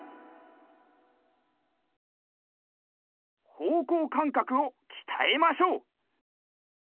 ほうこうかんかくをきたえましょう。